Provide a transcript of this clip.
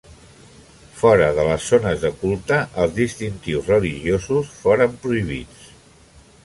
Fora de les zones de culte, els distintius religiosos foren prohibits.